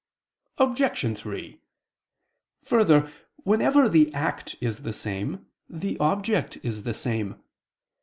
Obj. 3: Further, wherever the act is the same, the object is the same.